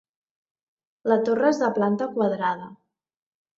La torre és de planta quadrada.